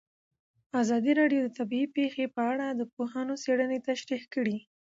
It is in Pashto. ازادي راډیو د طبیعي پېښې په اړه د پوهانو څېړنې تشریح کړې.